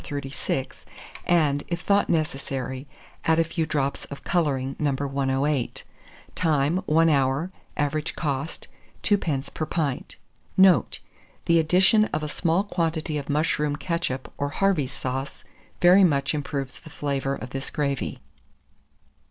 436, and, if thought necessary, add a few drops of colouring No. 108. Time. 1 hour. Average cost, 2d. per pint. Note. The addition of a small quantity of mushroom ketchup or Harvey's sauce very much improves the flavour of this gravy.